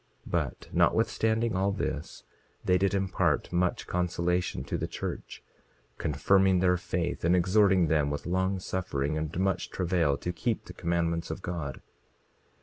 27:33 But notwithstanding all this, they did impart much consolation to the church, confirming their faith, and exhorting them with long suffering and much travail to keep the commandments of God.